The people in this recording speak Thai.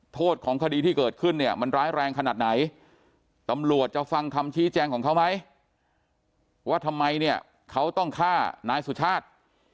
โทษของคดีที่เกิดขึ้นเนี่ยมันร้ายแรงขนาดไหนตำรวจจะฟังคำชี้แจงของเขาไหมว่าทำไมเนี่ยเขาต้องฆ่านายสุชาติ